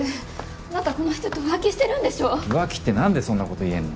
あなたこの人と浮気してるん浮気ってなんでそんなこと言えんの？